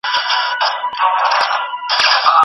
استاد باید د شاګرد لپاره کافي او مناسب وخت ځانګړی کړي.